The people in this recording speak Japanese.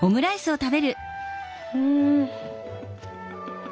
うん。